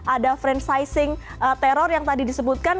ada franchising teror yang tadi disebutkan